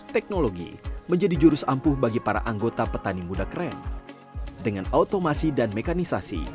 teknologi menjadi jurus ampuh bagi para anggota petani muda keren dengan otomasi dan mekanisasi